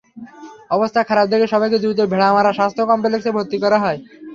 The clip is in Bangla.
অবস্থা খারাপ দেখে সবাইকে দ্রুত ভেড়ামারা স্বাস্থ্য কমপ্লেক্সে ভর্তি করা হয়।